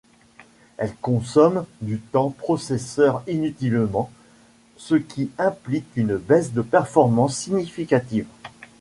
Elle consomme du temps processeur inutilement, ce qui implique une baisse de performances significative.